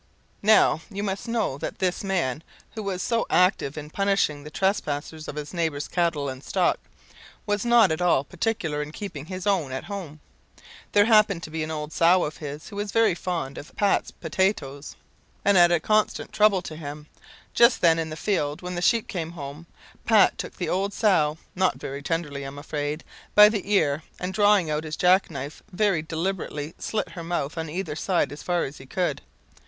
Now, you must know that this man, who was so active in punishing the trespasses of his neighbours' cattle and stock, was not at all particular in keeping his own at home. There happened to be an old sow of his, who was very fond of Pat's potaties, and a constant throuble to him, just then in the field when the sheep came home. Pat took the old sow (not very tenderly, I'm afraid) by the ear, and drawing out his jack knife, very deliberately slit her mouth on either side as far as he could.